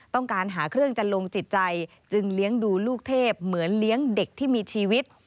ต้องการหาเครื่องจันลงจิตใจจึงเลี้ยงดูลูกเทพเหมือนเลี้ยงเด็กที่มีชีวิต